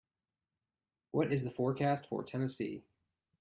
what is the forecast for Tennessee